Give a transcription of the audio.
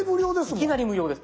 いきなり無料です。